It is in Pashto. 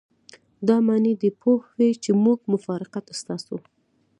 دا معنی دې پوه وي چې موږ مفارقت ستاسو.